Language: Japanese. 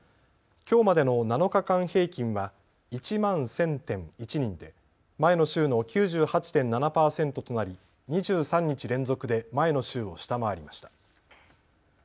きょうまでの７日間平均は１万１０００．１人で前の週の９８．７％となり２３日連続で前の週を下回りました。